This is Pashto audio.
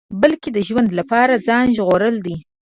بلکې د ژوند لپاره ځان ژغورل دي.